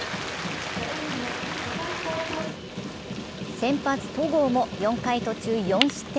先発・戸郷も４回途中４失点。